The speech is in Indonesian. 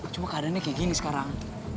cuma keadaannya kayak gini sekarang